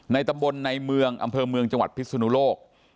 ตำบลในเมืองอำเภอเมืองจังหวัดพิศนุโลก